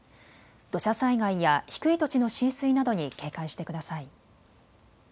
土砂災害や低い土地の浸水などに警戒してください。